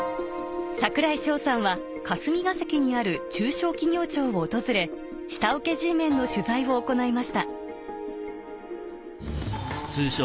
櫻井翔さんは霞が関にある中小企業庁を訪れ下請けＧメンの取材を行いました通称。